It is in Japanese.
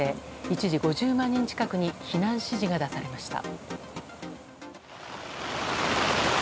一時５０万人近くに避難指示が出されました。